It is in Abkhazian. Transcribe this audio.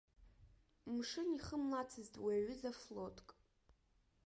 Мшын ихымлацызт уи аҩыза флотк.